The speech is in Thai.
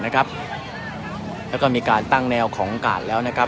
การประตูกรมทหารที่สิบเอ็ดเป็นภาพสดขนาดนี้นะครับ